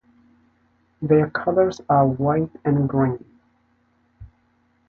Their colors are white and green.